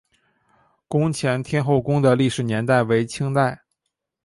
宫前天后宫的历史年代为清代。